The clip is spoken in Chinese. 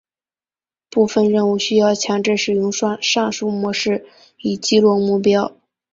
部分任务需要强制使用上述模式以击落目标。